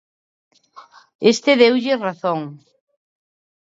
Este deulle razón.